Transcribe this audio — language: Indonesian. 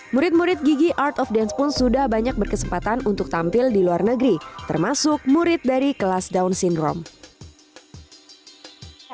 murid murid gigi art of dance pun sudah banyak berkesempatan untuk tampil di luar negeri termasuk murid dari kelas down syndrome